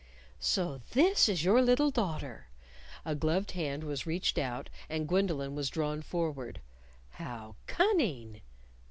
"So this is your little daughter!" A gloved hand was reached out, and Gwendolyn was drawn forward. "How _cunning!